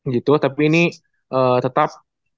gitu tapi ini tetap